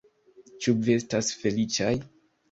Ĉu vi estas feliĉaj?